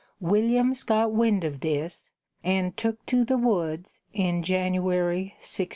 Williams got wind of this, and took to the woods in January, 1636.